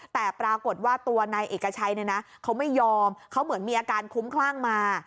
แต่ปรากฏว่าตัวนายเอกชัยเนี่ยนะเขาไม่ยอมเขาเหมือนมีอาการคุ้มคลั่งมา